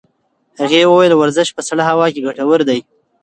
هغې وویل ورزش په سړه هوا کې ګټور دی.